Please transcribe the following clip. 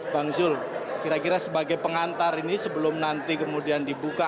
bang zul kira kira sebagai pengantar ini sebelum nanti kemudian dibuka